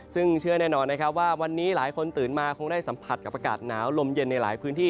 ซึ่งเชื่อแน่นอนนะครับว่าวันนี้หลายคนตื่นมาคงได้สัมผัสกับอากาศหนาวลมเย็นในหลายพื้นที่